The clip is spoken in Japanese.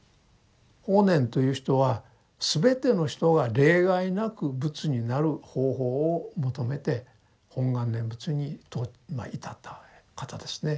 法然という人は全ての人が例外なく仏になる方法を求めて本願念仏にとまあ至った方ですね。